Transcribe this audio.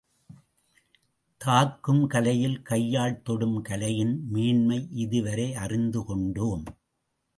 தாக்கும் கலையில் கையால் தொடும் கலையின் மேன்மை இதுவரை அறிந்து கொண்டோம்.